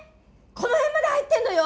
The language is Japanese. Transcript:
このへんまで入ってんのよ！